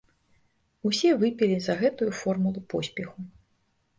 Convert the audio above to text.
Усе выпілі за гэтую формулу поспеху.